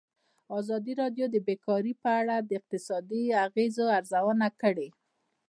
ازادي راډیو د بیکاري په اړه د اقتصادي اغېزو ارزونه کړې.